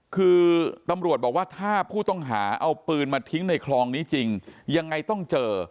คือตำรวจบอกว่าถ้าผู้ต้องหาเอาปืนมาทิ้งในคลองนี้จริงยังไงต้องเจอ